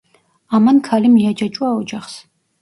ამან ქალი მიაჯაჭვა ოჯახს.